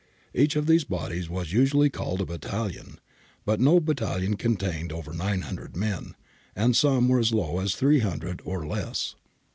Each of these bodies was usually called a ' battalion,' but no ' battalion ' contained over 900 men, and some were as low as 300 or less.